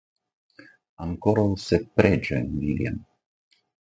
Ankoraŭ sep preĝojn, viljam!